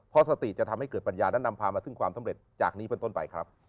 เพราะสติจะทำให้เกิดปัญญานั้นนำพามาซึ่งความสำเร็จจากนี้เป็นต้นไปครับ